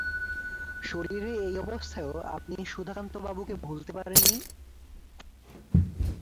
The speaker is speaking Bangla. শরীরের এই অবস্থায়ও আপনি সুধাকান্তবাবুকে ভুলতে পারেন নি?